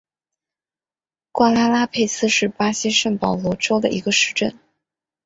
瓜拉拉佩斯是巴西圣保罗州的一个市镇。